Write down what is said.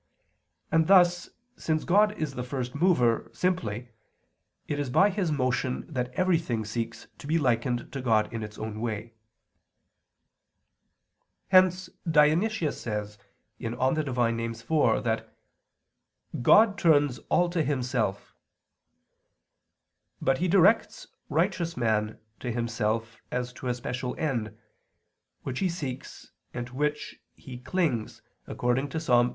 And thus since God is the First Mover, simply, it is by His motion that everything seeks to be likened to God in its own way. Hence Dionysius says (Div. Nom. iv) that "God turns all to Himself." But He directs righteous men to Himself as to a special end, which they seek, and to which they wish to cling, according to Ps.